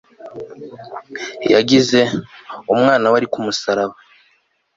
yagize, umwana we ari ku musaraba